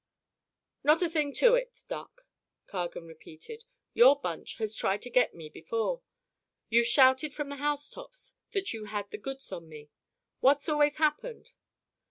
"Not a thing to it, Doc," Cargan repeated, "Your bunch has tried to get me before. You've shouted from the housetops that you had the goods on me. What's always happened?"